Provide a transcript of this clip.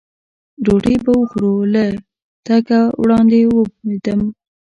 ډوډۍ به وخورو، له تګه وړاندې ومبېدم.